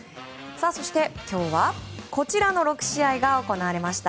そして、今日はこちらの６試合が行われました。